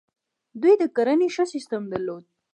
دوی د کرنې ښه سیستم درلود